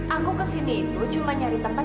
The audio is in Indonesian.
aku kesini ibu cuma nyari tempat